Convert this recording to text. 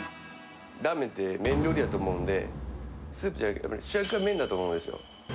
ラーメンって麺料理やと思うんで、スープじゃなくて、主役は麺だと思うんですよ。